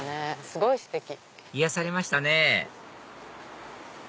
すごいステキ！癒やされましたね